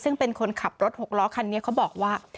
ซึ่งเป็นคนขับรถหกล้อคันนี้เขาบอกว่า